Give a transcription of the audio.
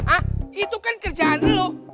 hah itu kan kerjaan lu